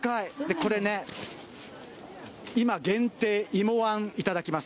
これね、今、限定、いもあんいただきます。